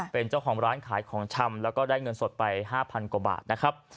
เป็นเจ้าของร้านขายของชำแล้วก็ได้เงินสดไป๕๐๐กว่าบาทนะครับ